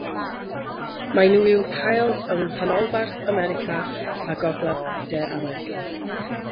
Maen nhw i'w cael yng Nghanolbarth America a Gogledd De America.